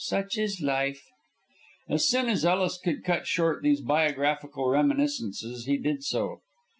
Such is life!" As soon as Ellis could cut short these biographical reminiscences he did so.